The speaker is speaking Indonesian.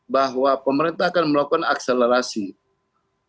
bahwa pemerintah akan melakukan akselerasi baik terhadap mobil maupun sepeda motor